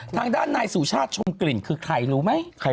ทางด้านนายสุชาติชมกลิ่นคือใครรู้ไหม